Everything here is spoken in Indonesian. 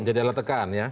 jadi alat tekan ya